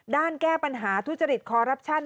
แก้ปัญหาทุจริตคอรัปชั่น